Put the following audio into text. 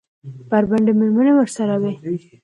بربنډې مېرمنې ورسره وې.